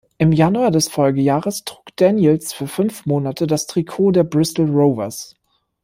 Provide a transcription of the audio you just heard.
Im Januar des Folgejahres trug Daniels für fünf Monate das Trikot der Bristol Rovers.